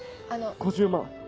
５０万。